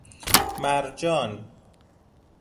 مرجان